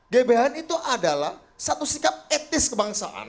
gbhn itu adalah satu sikap etis kebangsaan